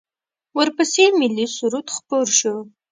ورپسې ملی سرود خپور شو.